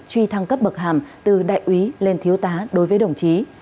truy thăng cấp bậc hàm từ đại úy lên thiếu tá đối với đồng chí